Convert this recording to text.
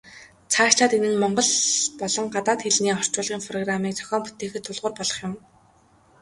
Цаашлаад энэ нь монгол болон гадаад хэлний орчуулгын программыг зохион бүтээхэд тулгуур болох юм.